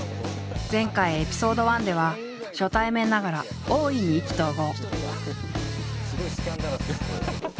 前回エピソード１では初対面ながら大いに意気投合。